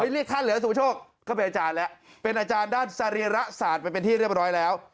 เรียกท่านเหลือสุประโชคก็เป็นอาจารย์แล้วเป็นอาจารย์ด้านสรีระศาสตร์ไปเป็นที่เรียบร้อยแล้ว